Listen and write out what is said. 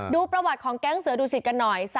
ดูประวัติของแก๊งเสือดุสิตกันหน่อย